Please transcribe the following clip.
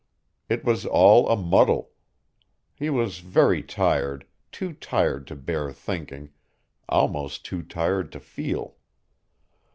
It was all a muddle. He was very tired, too tired to bear thinking, almost too tired to feel.